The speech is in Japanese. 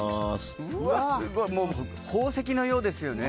宝石のようですよね。